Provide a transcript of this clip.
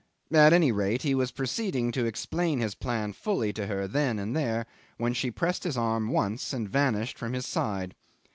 At any rate, he was proceeding to explain his plan fully to her there and then, when she pressed his arm once, and vanished from his side.